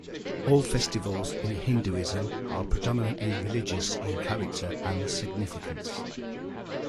All festivals in Hinduism are predominantly religious in character and significance.